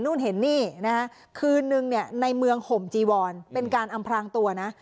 นู่นเห็นนี่นะฮะคืนนึงเนี่ยในเมืองห่มจีวอนเป็นการอำพลางตัวนะ